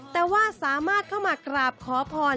แต่ว่าสามารถเข้ามากราบขอพร